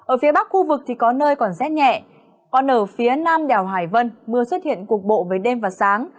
ở phía bắc khu vực thì có nơi còn rét nhẹ còn ở phía nam đèo hải vân mưa xuất hiện cục bộ về đêm và sáng